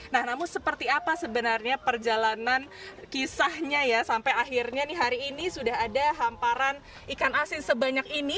nah namun seperti apa sebenarnya perjalanan kisahnya ya sampai akhirnya nih hari ini sudah ada hamparan ikan asin sebanyak ini